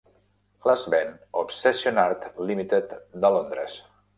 Les ven ObsessionArt Limited de Londres.